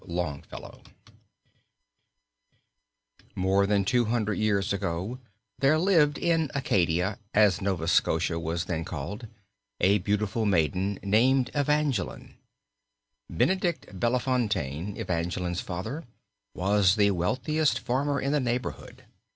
Longfellow More than two hundred years ago there lived in Acadia, as Nova Scotia was then called, a beautiful maiden named Evangeline. Benedict Bellefontaine, Evangeline's father, was the wealthiest farmer in the neighborhood.